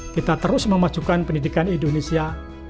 kita terus memajukan pendidikan indonesia